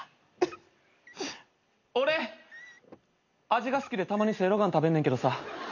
味が好きでたまに正露丸食べんねんけどさ。